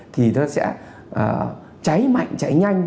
thì nó sẽ cháy mạnh cháy nhanh